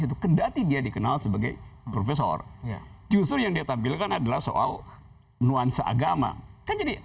itu kendali dia dikenal sebagai profesor justru yang ditampilkan adalah soal nuansa agama jadi